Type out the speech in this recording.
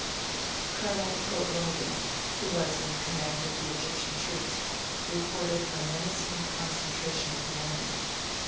Colonel Coetlogon, who was in command of the Egyptian troops, reported a menacing concentration of the enemy.